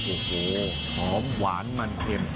โอ้โหหอมหวานมันเค็ม